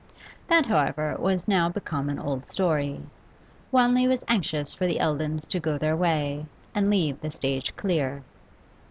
That, however, was now become an old story. Wanley was anxious for the Eldons to go their way, and leave the stage clear.